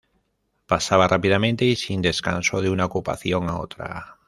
Pasaba rápidamente y sin descanso de una ocupación a otra.